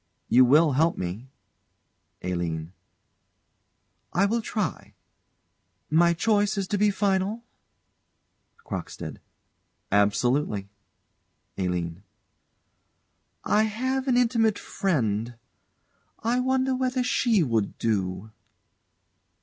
You will help me? ALINE. I will try. My choice is to be final? CROCKSTEAD. Absolutely. ALINE. I have an intimate friend I wonder whether she would do?